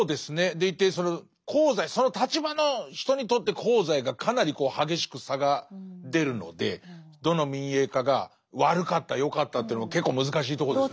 でいてその立場の人にとって功罪がかなり激しく差が出るのでどの民営化が悪かった良かったというのは結構難しいとこですね。